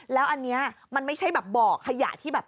แล้วอันนี้มันไม่ใช่บ่อขยะที่